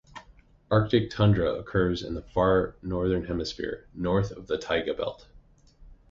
Arctic tundra occurs in the far Northern Hemisphere, north of the taiga belt.